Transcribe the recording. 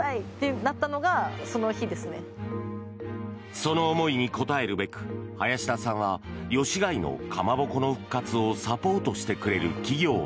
その思いに応えるべく林田さんは吉開のかまぼこの復活をサポートしてくれる企業を